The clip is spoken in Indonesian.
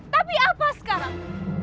tapi apa sekarang